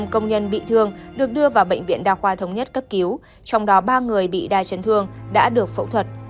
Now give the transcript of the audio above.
năm công nhân bị thương được đưa vào bệnh viện đa khoa thống nhất cấp cứu trong đó ba người bị đai chấn thương đã được phẫu thuật